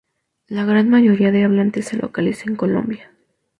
La gran mayoría de hablantes se localiza en Colombia.